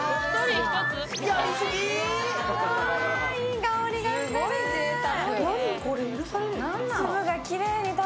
いい香りがしてる。